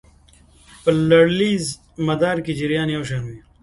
په لړیز مدار کې جریان یو شان وي.